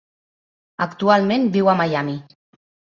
Actualment viu a Miami.